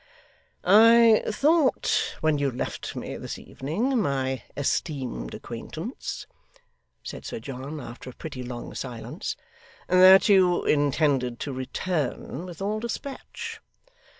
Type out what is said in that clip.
'I thought when you left me this evening, my esteemed acquaintance,' said Sir John after a pretty long silence, 'that you intended to return with all despatch?